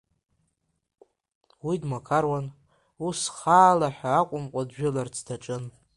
Уи дмақаруан, ус хаала ҳәа акәымкәа джәыларц даҿын.